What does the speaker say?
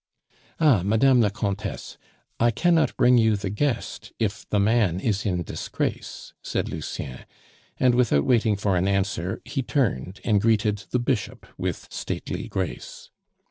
"Ah! Madame la Comtesse, I cannot bring you the guest if the man is in disgrace," said Lucien, and, without waiting for an answer, he turned and greeted the Bishop with stately grace.